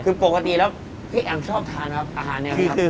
คือปกติแล้วพี่แอ๋งชอบทานอาหารนี้ไหมครับ